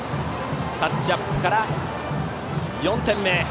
タッチアップから４点目。